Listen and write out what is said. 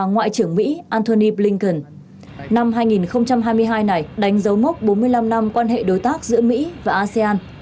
ngoại trưởng mỹ antony blinken năm hai nghìn hai mươi hai này đánh dấu mốc bốn mươi năm năm quan hệ đối tác giữa mỹ và asean